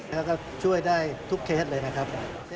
แล้วก็ช่วยได้ทุกเคสเลยนะครับ